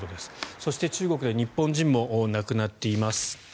そして、中国では日本人も亡くなっています。